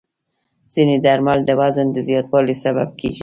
ځینې درمل د وزن د زیاتوالي سبب کېږي.